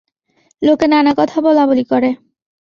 লোকে নানা কথা বলাবলি করে।